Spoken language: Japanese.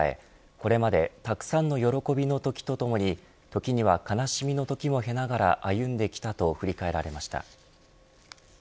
これまでたくさんの喜びの時とともに時には悲しみのときも経ながら歩んできたと振り替えられました。